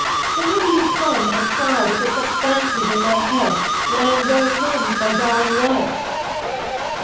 Why do you come and try to put such fancies in my head when I am going home to my darling wife?"